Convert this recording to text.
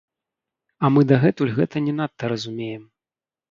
А мы дагэтуль гэта не надта разумеем.